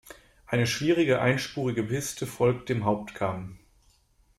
Eine schwierige einspurige Piste folgt dem Hauptkamm.